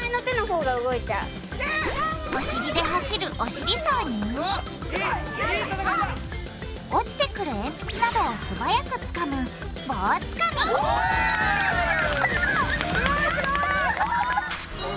お尻で走る「お尻走」に落ちてくるえんぴつなどを素早くつかむ「棒つかみ」やった！